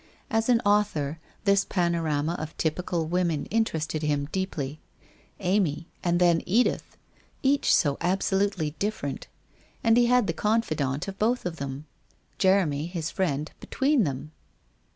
As an author, this panorama of typical women interested him deeply. Amy — and then Edith ! Each so absolutely different. And he the confidant of them both. Jeremy, his friend, be tween them